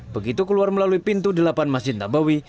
begitu keluar melalui pintu delapan masjid nabawi